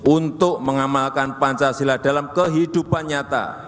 untuk mengamalkan pancasila dalam kehidupan nyata